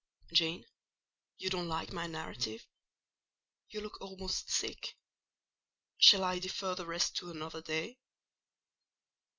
Jane, you don't like my narrative; you look almost sick—shall I defer the rest to another day?"